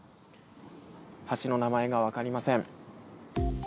橋の名前が分かりません。